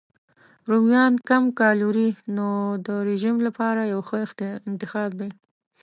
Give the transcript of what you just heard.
رومیان کم کالوري نو د رژیم لپاره یو ښه انتخاب دی.